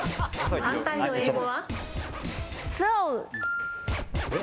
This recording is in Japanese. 反対の英語は？